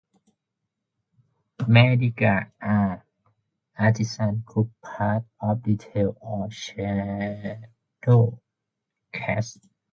Madiga are artisans group part of dalits or scheduled caste.